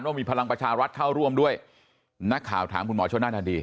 ว่ามีพลังประชารัฐเข้าร่วมด้วยนักข่าวถามคุณหมอชนนั่นทันที